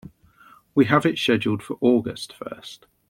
We have it scheduled for August first.